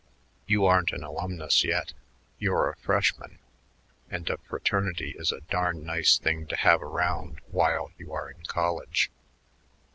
You aren't an alumnus yet; you're a freshman, and a fraternity is a darn nice thing to have around while you are in college.